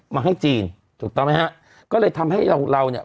มาให้จีนถูกต้องไหมฮะก็เลยทำให้เราเราเนี่ย